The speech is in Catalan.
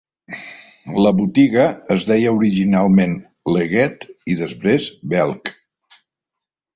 La botiga es deia originalment Leggett i, després, Belk.